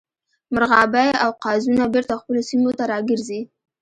مرغابۍ او قازونه بیرته خپلو سیمو ته راګرځي